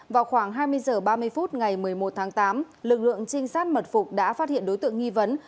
vào khoảng hai mươi h ba mươi phút ngày một mươi một tháng tám lực lượng trinh sát mật phục đã phát hiện đối tượng nghi vấn